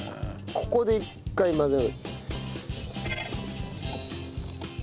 ここで一回混ぜる。